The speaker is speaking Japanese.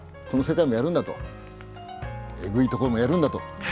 この世界もやるんだとえぐいところもやるんだと。